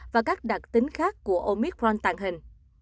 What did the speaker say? và các đặc tính khác của omicron tàng hình